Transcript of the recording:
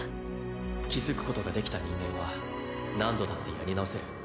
気づくことができた人間は何度だってやり直せる